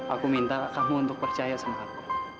aku minta kamu untuk percaya sama aku